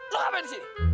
lu ngapain di sini